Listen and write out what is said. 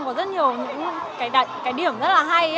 có rất nhiều những cái điểm rất là hay